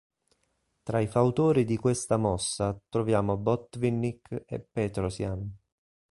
Tra i fautori di questa mossa troviamo Botvinnik e Petrosyan.